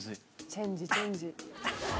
チェンジチェンジ。